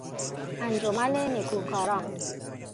انجمن نیکوکاران